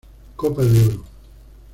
Copa de Oro.